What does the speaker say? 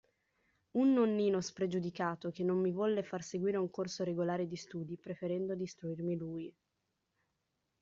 Un nonnino spregiudicato, che non mi volle far seguire un corso regolare di studi, preferendo d'istruirmi lui.